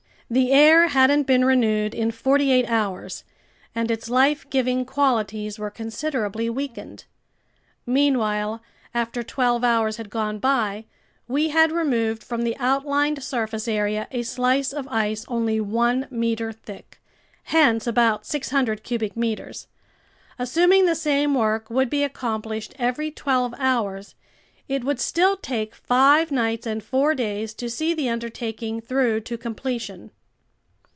The air hadn't been renewed in forty eight hours, and its life giving qualities were considerably weakened. Meanwhile, after twelve hours had gone by, we had removed from the outlined surface area a slice of ice only one meter thick, hence about 600 cubic meters. Assuming the same work would be accomplished every twelve hours, it would still take five nights and four days to see the undertaking through to completion.